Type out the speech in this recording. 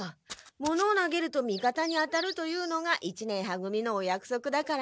ものを投げると味方に当たるというのが一年は組のおやくそくだから。